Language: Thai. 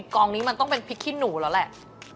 กองนี้มันต้องเป็นพริกขี้หนูแล้วแหละ